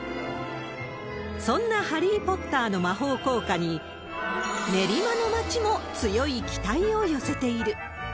そんなハリー・ポッターの魔法効果に、練馬の街も強い期待を寄せている。